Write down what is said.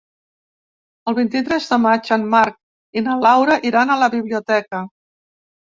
El vint-i-tres de maig en Marc i na Laura iran a la biblioteca.